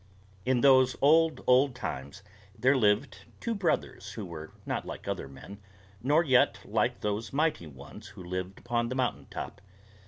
In those old, old times, there lived two brothers who were not like other men, nor yet like those Mighty Ones who lived upon the mountain top.